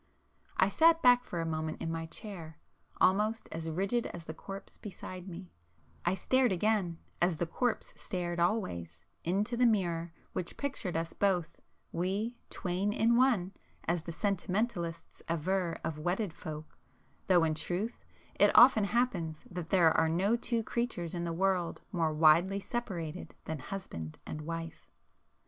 I sat back for a moment in my chair, almost as rigid as the corpse beside me,—I stared again, as the corpse stared always, into the mirror which pictured us both, we 'twain in one,' as the sentimentalists aver of wedded folk, though in truth it often happens that there are no two creatures in the world more widely separated than husband and wife.